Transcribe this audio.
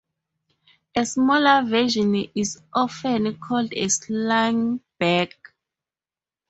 A smaller version is often called a sling bag.